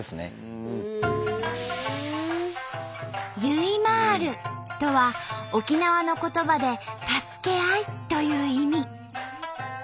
「ゆいまーる」とは沖縄の言葉で「助け合い」という意味。